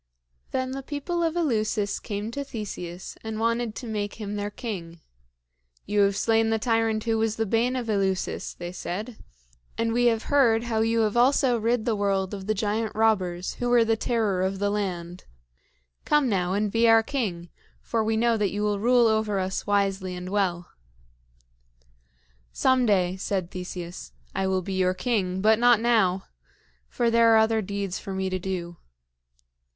Then the people of Eleusis came to Theseus and wanted to make him their king. "You have slain the tyrant who was the bane of Eleusis," they said, "and we have heard how you have also rid the world of the giant robbers who were the terror of the land. Come now and be our king; for we know that you will rule over us wisely and well." "Some day," said Theseus, "I will be your king, but not now; for there are other deeds for me to do."